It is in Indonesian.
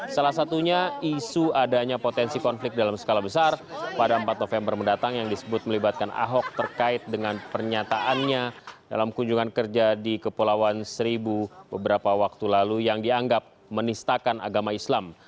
salah satunya isu adanya potensi konflik dalam skala besar pada empat november mendatang yang disebut melibatkan ahok terkait dengan pernyataannya dalam kunjungan kerja di kepulauan seribu beberapa waktu lalu yang dianggap menistakan agama islam